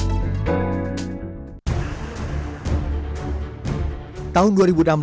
tahun dua ribu enam belas yang lalu dunia gempar setelah dua ratus ribu dokumen pajak yang menyeret nama berbagai tokoh